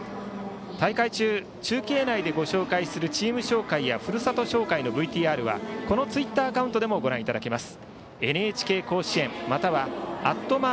大会中、中継内でご紹介するチーム紹介やふるさと紹介のＶＴＲはこのツイッターアカウントでもご覧いただけます。